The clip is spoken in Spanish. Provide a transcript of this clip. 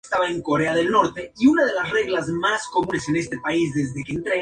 Retiros personales podían surgir lejos de los centros oficiales de la Corte.